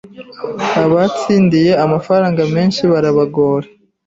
abatsindiye amafaranga menshi barabagora